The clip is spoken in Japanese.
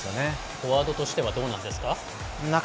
フォワードとしてはどうなんですか。